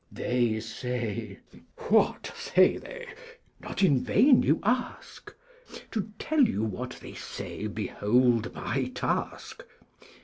They say; what say they? Not in vain You ask. To tell you what they say, behold my Task!